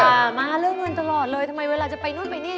มาเรื่องเงินตลอดเลยทำไมเวลาจะไปนู่นไปนี่